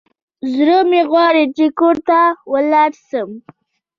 زړه مي غواړي چي کور ته ولاړ سم.